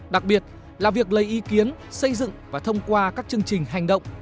đặc biệt là việc lấy ý kiến xây dựng và thông qua các chương trình hành động